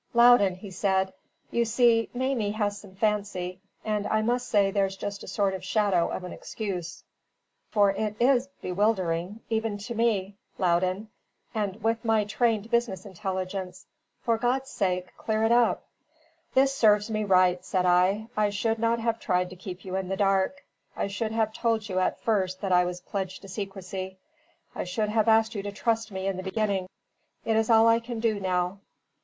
"Loudon," he said, "you see Mamie has some fancy; and I must say there's just a sort of a shadow of an excuse; for it IS bewildering even to me, Loudon, with my trained business intelligence. For God's sake, clear it up." "This serves me right," said I. "I should not have tried to keep you in the dark; I should have told you at first that I was pledged to secrecy; I should have asked you to trust me in the beginning. It is all I can do now.